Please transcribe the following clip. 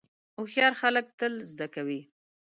هوښیار خلک تل زده کوي.